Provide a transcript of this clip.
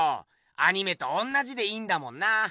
アニメとおんなじでいいんだもんな。